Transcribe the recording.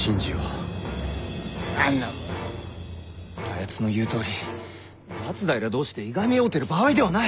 あやつの言うとおり松平同士でいがみ合うてる場合ではない。